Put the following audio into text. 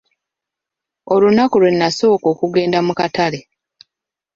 Olunaku lwe nasooka okugenda mu Katale.